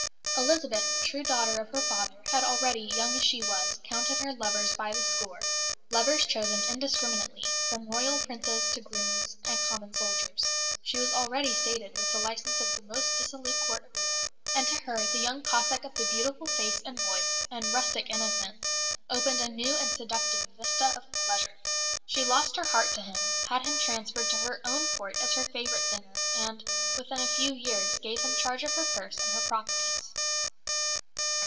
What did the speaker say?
Elizabeth, true daughter of her father, had already, young as she was, counted her lovers by the score lovers chosen indiscriminately, from Royal princes to grooms and common soldiers. She was already sated with the licence of the most dissolute Court of Europe, and to her the young Cossack of the beautiful face and voice, and rustic innocence, opened a new and seductive vista of pleasure. She lost her heart to him, had him transferred to her own Court as her favourite singer, and, within a few years, gave him charge of her purse and her properties.